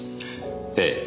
ええ。